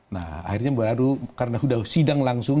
nah akhirnya baru karena sudah sidang langsung